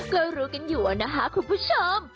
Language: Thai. ก็รู้กันอยู่นะคะคุณผู้ชม